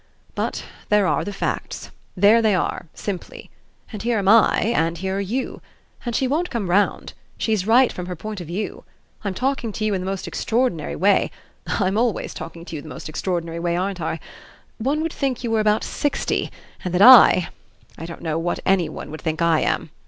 But there are the facts. There they are, simply. And here am I, and here are you. And she won't come round. She's right from her point of view. I'm talking to you in the most extraordinary way I'm always talking to you in the most extraordinary way, ain't I? One would think you were about sixty and that I I don't know what any one would think I am.